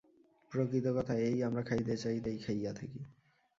প্রকৃত কথা এই, আমরা খাইতে চাই, তাই খাইয়া থাকি।